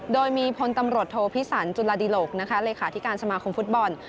โดยมีพลตำรวจโทพิสันจุลาดิหลกนะคะเลขาธิการสมาคมฟุตบอล